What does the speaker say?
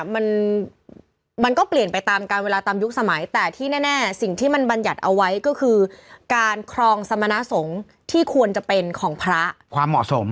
มันมันก็เปลี่ยนไปตามการเวลาตามยุคสมัยแต่ที่แน่สิ่งที่มันบรรยัติเอาไว้ก็คือการครองสมณสงฆ์ที่ควรจะเป็นของพระความเหมาะสม